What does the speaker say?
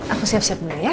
aku siap siap dulu ya